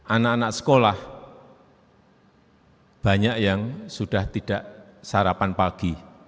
anak anak sekolah banyak yang sudah tidak sarapan pagi